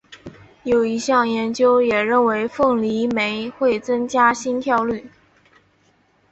有一项研究也认为凤梨酶会增加心跳率。